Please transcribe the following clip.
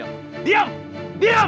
jangan jangan jangan